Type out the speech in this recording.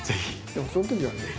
でもそのときはね